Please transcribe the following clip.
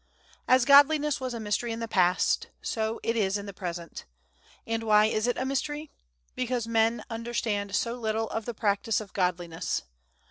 As Godliness was a mystery in the past, so is it in the present. And why is it a mystery? Because men understand so little of the practice of Godliness.